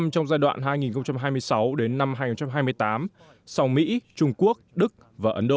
trong giai đoạn hai nghìn hai mươi sáu đến năm hai nghìn hai mươi tám sau mỹ trung quốc đức và ấn độ